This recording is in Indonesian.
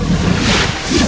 saya akan keluar